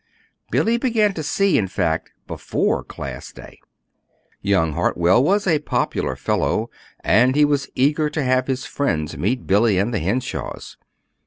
Billy began to see, in fact, before Class Day. Young Hartwell was a popular fellow, and he was eager to have his friends meet Billy and the Henshaws.